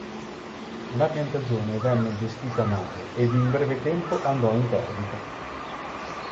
La piantagione venne gestita male ed in breve tempo andò in perdita.